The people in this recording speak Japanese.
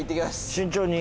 慎重に。